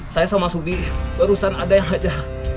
saya sama sudi barusan ada yang aja